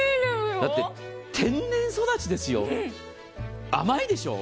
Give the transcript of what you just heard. だって天然育ちですよ、甘いでしょう？